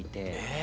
え。